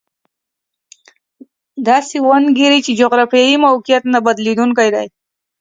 داسې وانګېري چې جغرافیوي موقعیت نه بدلېدونکی دی.